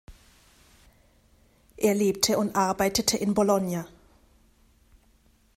Er lebte und arbeitete in Bologna.